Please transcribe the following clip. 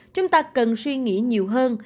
chúng ta cần suy nghĩ nhiều hơn